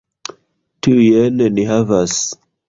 Tiujn ni havas.